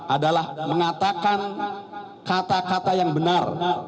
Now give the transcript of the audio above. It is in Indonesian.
adalah mengatakan kata kata yang benar